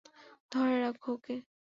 ধরে রাখো ওকে!